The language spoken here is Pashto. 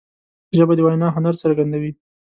ژبه د وینا هنر څرګندوي